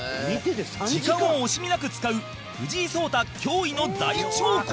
時間を惜しみなく使う藤井聡太、驚異の大長考